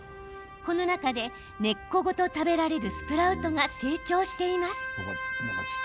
この中で、根っこごと食べられるスプラウトが成長しています。